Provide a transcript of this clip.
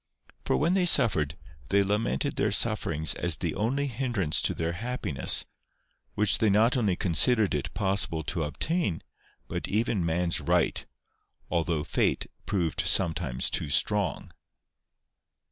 Por when they suffered, they lamented their sufferings as the only hindrance to their happiness, which they not only considered it possible to obtain, but even man's right, although Fate proved sometimes too strong.